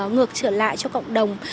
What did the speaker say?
ngược trở lại cho cộng đồng